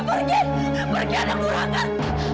pergi pergi ada kurangan